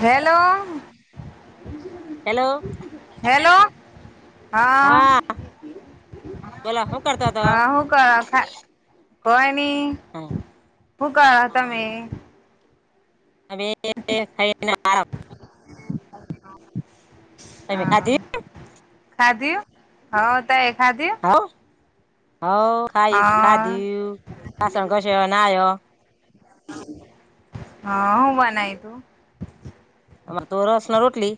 [inaudible] Hello hello hello. હા બોલો હું કરતો હતો હા હું કરો ખા હોય હું કરો તમે હવે [inaudible] ખૈના બાર અ તમે હા ખાધી ખાધ્યુ. હા. તએ ખાદી્ હવ હવ ખાાઈ ખાધીયુ વાસણ ધશયા નાય. હા હું બનાય તું? અમારે તો રસના રોટલી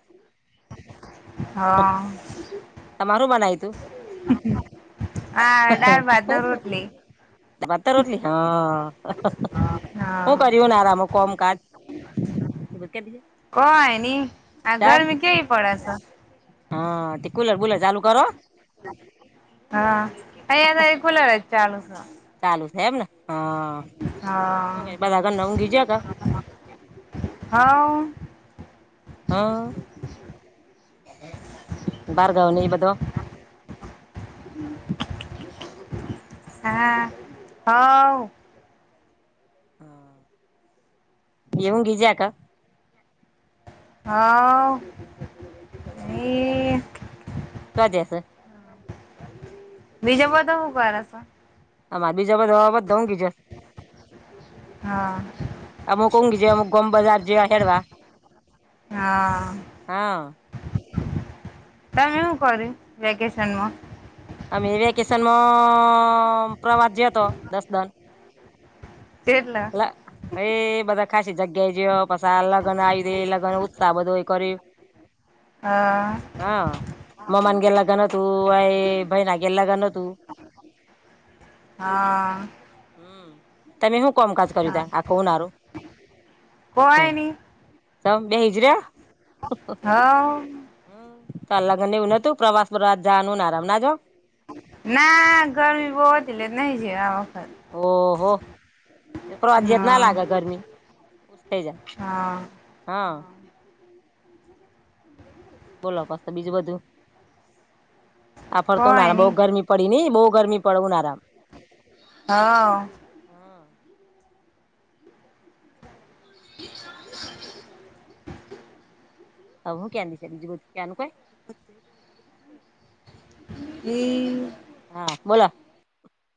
હા. તમારું બનાય તું, આ દાળ ભાત ને રોટલી બતર રોટલી હા હું હા કર આરામ કોમ કાજ? કે [unintelligible] કોય ની આ ઘરમ કેવી પડે છે. હા તે કુલર બુલર ચાલુ કરો. હા. અહીયા ખુલા રહે. ચાલું છો. ચાલુ છે એમને. હા. હું હા, કે બધા ઘરના ઊંઘી જ્યા કે હા. હમ, બારગાન એ બધ હા, હ. હમ એવું ઘીજ ક [unintelligible] હા. હા ભજે છે. બીજા બધા શું કર છ. આ બીજા બધ બધ ઊંઘી જ, હા અમુક ઊંઘી જ અમુક ગમ બજાર જેવા હેડવા. હા. હા તમે હું કર્યું વેકેશનમાં? અમે વેકેશનમાં પ્રવાસ જે હતો દસ દાડ. કેટલા હ ભાઈ બધા. ખસી જગ્યા જ પછ લગ્ન આવી દે લગ્ન ઉત્સાહ બધોય કર, હા હા મ્માન ગે લગ્ન તું આ ભાઈ ના ગેલાગા ન તું. હા હમ. તમે શું કોમકાજ કર્યું ત હા આખું ઉનારો? કોઈ નહી ત બે હિજરા? હ હા. તો અલાગન એવું નતું પ્રવાસ બ જવાનુંને આરામ ના જો? ના ગરમી બહત એલે નહી જ્યાં. ઓહો એ તો આજીયત હા ના લાગે ગરમી થઈ જાય હા હા. બોલો પસ તો બીજું બધું. સાફર તો ના કોઈ ના બહુ ગરમી પડી ની બહ. ગરમી પડવન આરામ. હા [inaudible] હું કી છે બીજું ક્યાનું કો. હમ. હા બોલા.